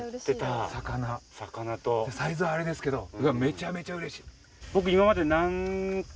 サイズあれですけどめちゃめちゃうれしい。